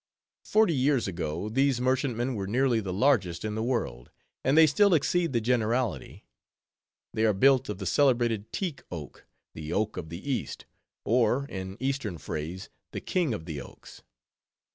Forty years ago, these merchantmen were nearly the largest in the world; and they still exceed the generality. They are built of the celebrated teak wood, the oak of the East, or in Eastern phrase, _"the King of the Oaks."